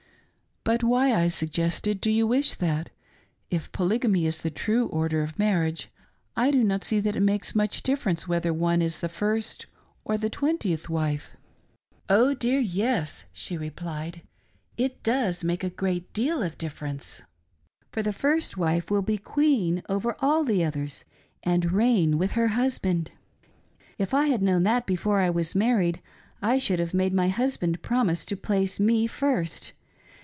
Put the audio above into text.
" But why," I suggested, " do you wish that "i If Polygamy is the true order of marriage, I do not see that it makes much difference whether one is the first or the twentieth wife ?"" Oh dear, yes," she replied, " it does make a great deal of difference ; for the first wife will be queen over all the others, and reign with her husband. If I had known that before I was married, I should have made my husband promise to place me first.